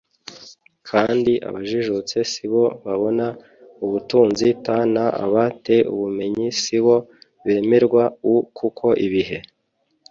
kandi abajijutse si bo babona ubutunzi t n aba te ubumenyi si bo bemerwa u kuko ibihe